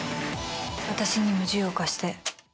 私にも銃を貸して。